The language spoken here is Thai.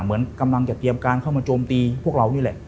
เหมือนกำลังจะเตรียมการเข้ามาโจมตีพวกเรานี่แหละ